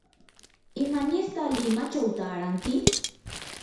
¿imanirta limachaw taaranki?